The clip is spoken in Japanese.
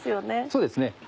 そうですね。